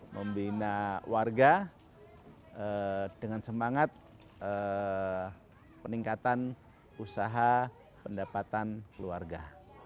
membina warga dengan semangat peningkatan usaha pendapatan keluarga